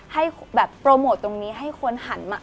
ให้แบบโปรโมทตรงนี้ให้คนหันมา